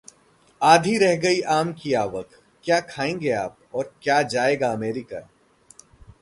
आधी रह गई आम की आवक, क्या खाएंगे आप और क्या जाएगा अमेरिका?